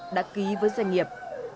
đã ký với doanh nghiệp